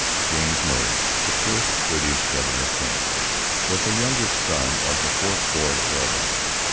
James Murray, the first British governor of Canada, was a younger son of the fourth Lord Elibank.